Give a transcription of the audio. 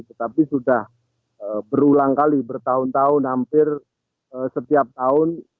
tetapi sudah berulang kali bertahun tahun hampir setiap tahun